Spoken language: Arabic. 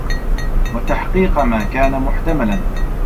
وَتَحْقِيقَ مَا كَانَ مُحْتَمَلًا